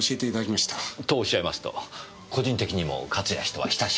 とおっしゃいますと個人的にも勝谷氏とは親しかった？